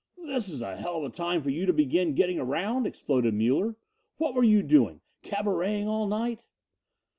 "This is a hell of a time for you to begin getting around," exploded Muller. "What were you doing, cabareting all night?"